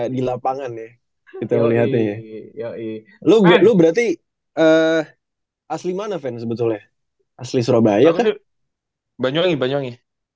di lapangan ya kita lihatnya ya iya iya lu berarti eh asli mana fans betulnya asli surabaya banyuwangi